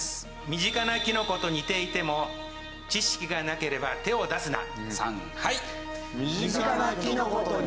身近なキノコと似ていても知識がなければ手を出すな！